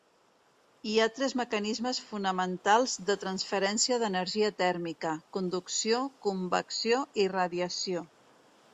Hi ha tres mecanismes fonamentals de transferència d'energia tèrmica: conducció, convecció i radiació.